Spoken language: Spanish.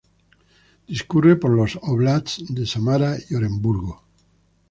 Discurre por los "óblasts" de Samara y Oremburgo.